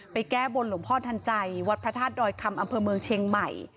แก้บนหลวงพ่อทันใจวัดพระธาตุดอยคำอำเภอเมืองเชียงใหม่